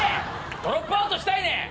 ドロップアウトしたいねん！